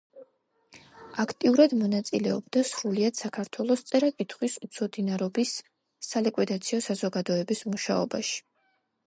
აქტიურად მონაწილეობდა სრულიად საქართველოს წერა-კითხვის უცოდინარობის სალიკვიდაციო საზოგადოების მუშაობაში.